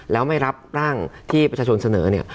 แล้วไม่รับร่างที่ประชาชนเสนอเนี่ย